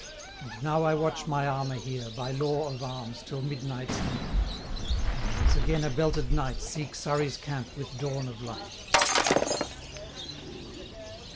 280 And now I watch my armour here, By law of arms, till midnight's near; Then, once again a belted knight, Seek Surrey's camp with dawn of light.